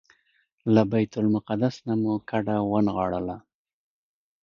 له بیت المقدس نه مو کډه ونغاړله.